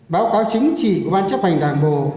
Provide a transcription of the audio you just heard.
báo cáo chính trị của ban chấp hành đảng bộ